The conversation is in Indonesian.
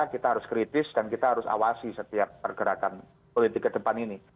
kita harus kritis dan kita harus awasi setiap pergerakan politik ke depan ini